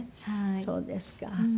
そうですか。